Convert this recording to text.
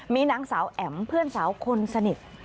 มีนางสาวแอ๋มเพื่อนสาวคนสนิท